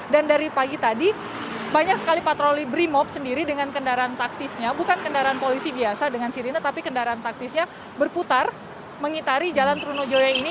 dan dari pagi tadi banyak sekali patroli brimov sendiri dengan kendaraan taktisnya bukan kendaraan polisi biasa dengan sirine tapi kendaraan taktisnya berputar mengitari jalan trunojoya ini